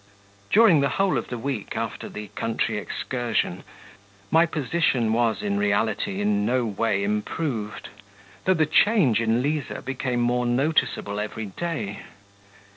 During the whole of the week after the country excursion, my position was in reality in no way improved, though the change in Liza became more noticeable every day.